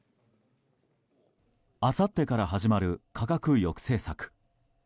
あさってから始まる価格抑制策。